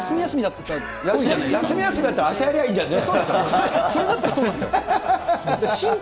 休み休みだったら、あしたやればいいじゃんね。